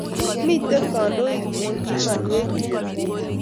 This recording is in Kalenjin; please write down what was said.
mito kandoik eng' imanwek tugul